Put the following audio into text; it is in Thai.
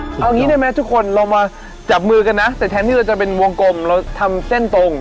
เอางี้ได้ไหมทุกคนเรามาจับมือกันนะแต่แทนที่เราจะเป็นวงกลมเราทำเส้นตรง